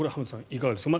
いかがですか。